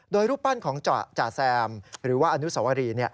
โดยรูปปั้นของจ่าแซมหรือว่าอนุสวรี